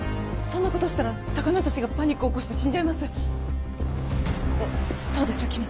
そんなことしたら魚達がパニック起こして死んじゃいますそうでしょ？